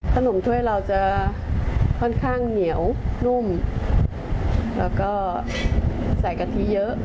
ขนมถ้วยเราจะค่อนข้างเหนียวนุ่มแล้วก็ใส่กะทิเยอะ